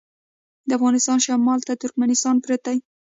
د افغانستان شمال ته ترکمنستان پروت دی